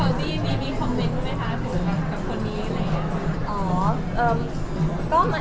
อย่างเมื่อกี้มีคอมเม้นท์ไหมคะถูกกับคนนี้อะไรอย่างนี้